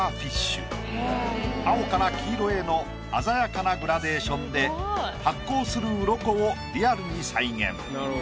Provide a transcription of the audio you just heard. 青から黄色への鮮やかなグラデーションで発光するうろこをリアルに再現。